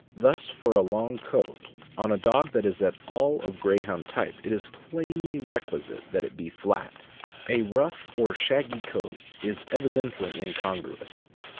Thus for a long coat, on a dog that is at all of Greyhound type, it is THE RUSSIAN WOLFHOUND, OR BARZOI. 263 plainly requisite that it be flat. A rough or shaggy coat is evidently incongruous.